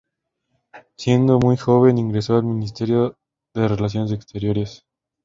Siendo muy joven ingresó al Ministerio de Relaciones Exteriores.